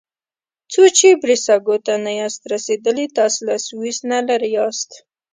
څو چې بریساګو ته نه یاست رسیدلي تاسي له سویس نه لرې یاست.